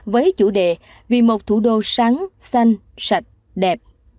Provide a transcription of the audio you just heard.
với chủ đề vì một thủ đô sáng xanh sạch đẹp